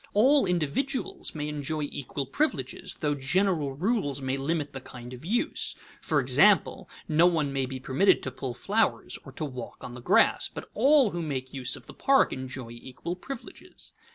All individuals may enjoy equal privileges, though general rules may limit the kind of use; for example: no one may be permitted to pull flowers or to walk on the grass, but all who make use of the park enjoy equal privileges.